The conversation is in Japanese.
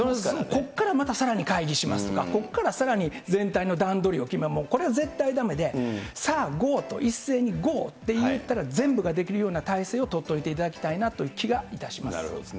ここからまたさらに会議しますとか、全体の段取りを決める、これは絶対だめで、さあゴー、一斉にゴーって言ったら、全部ができる体制を取っておいていただきたいなと思います。